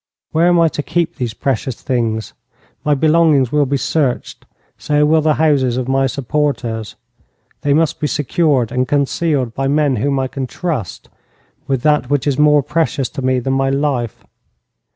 Where am I to keep these precious things? My belongings will be searched so will the houses of my supporters. They must be secured and concealed by men whom I can trust with that which is more precious to me than my life.